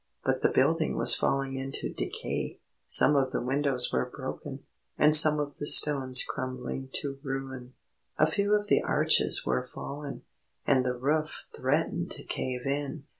But the building was falling into decay. Some of the windows were broken, and some of the stones crumbling to ruin. A few of the arches were fallen, and the roof threatened to cave in.